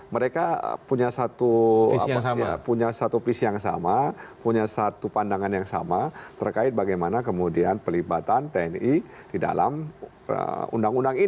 mereka punya satu visi yang sama punya satu pandangan yang sama terkait bagaimana kemudian pelibatan tni di dalam undang undang ite